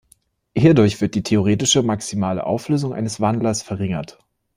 Hierdurch wird die theoretische maximale Auflösung eines Wandlers verringert.